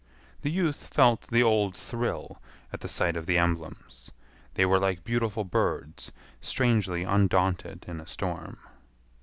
The youth felt the old thrill at the sight of the emblems. They were like beautiful birds strangely undaunted in a storm.